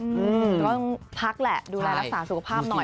ก็ต้องพักแหละดูแลรักษาสุขภาพหน่อย